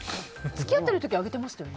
付き合ってる時はあげてますよね？